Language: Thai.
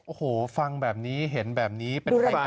โอ้โหฟังแบบนี้เห็นแบบนี้เป็นใคร